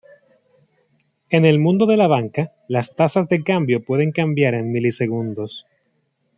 En el mundo de la banca, las tasas de cambio pueden cambiar en milisegundos.